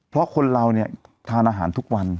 เพราะคนเราเนี่ยทานอาหารทุกวัน